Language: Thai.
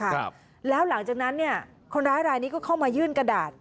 ครับแล้วหลังจากนั้นเนี่ยคนร้ายรายนี้ก็เข้ามายื่นกระดาษ